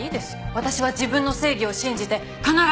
私は自分の正義を信じて必ず捜し出します。